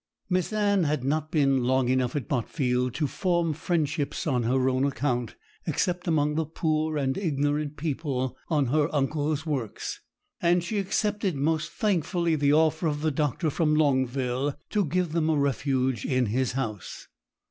Miss Anne had not been long enough at Botfield to form friendships on her own account, except among the poor and ignorant people on her uncle's works; and she accepted most thankfully the offer of the doctor from Longville to give them a refuge in his house.